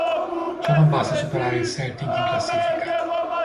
Ciò non basta a superare il Celtic in classifica.